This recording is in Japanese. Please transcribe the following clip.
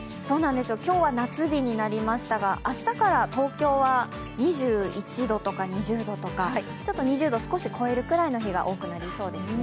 今日は夏日になりましたが、明日からは東京は２１度とか２０度とかちょっと２０度少し超えるぐらい日が増えそうですね。